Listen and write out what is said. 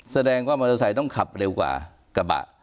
แสดงว่ามอเตอร์ไซค์ต้องขับเร็วกว่ากระบะ